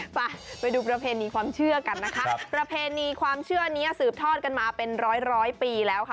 ไปดูประเพณีความเชื่อกันนะคะประเพณีความเชื่อนี้สืบทอดกันมาเป็นร้อยร้อยปีแล้วค่ะ